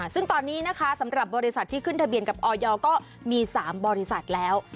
ซึ่งตอนนี้นะคะสำหรับบริษัทที่ขึ้นทะเบียนกับออยก็มี๓บริษัทแล้ว